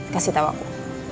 kasih tau aku